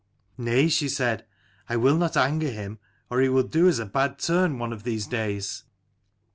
" Nay," she said, "I will not anger him, or he will do us a bad turn one of these days."